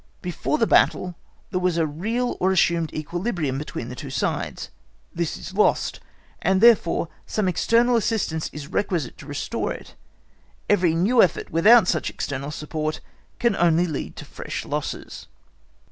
Before the battle there was a real or assumed equilibrium between the two sides; this is lost, and, therefore, some external assistance is requisite to restore it; every new effort without such external support can only lead to fresh losses.